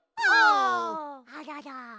あらら。